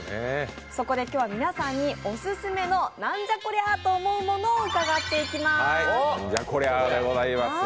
そこで今日は皆さんにオススメのなんじゃこりゃと思うものを伺っていきます。